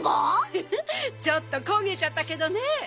フフッちょっとこげちゃったけどね。